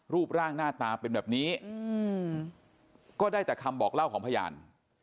รูปร่างหน้าตาเป็นแบบนี้ก็ได้แต่คำบอกเล่าของพยาน